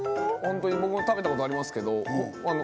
ホントに僕も食べたことありますけど。